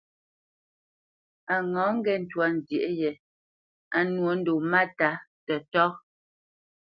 A ŋâ ŋgê ntwá nzyêʼ yē á nwô ndo máta tətá.